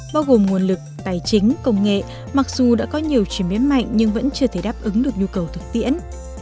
bao gồm nguồn lực tài chính công nghệ mặc dù đã có nhiều chuyển biến mạnh nhưng vẫn chưa thể đáp ứng được nhu cầu thực tiễn